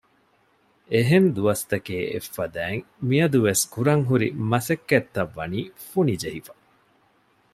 އެހެން ދުވަސް ތަކޭ އެއްފަދައިން މިއަދުވެސް ކުރަންހުރި މަސައްކަތްތައް ވަނީ ފުނި ޖެހިފަ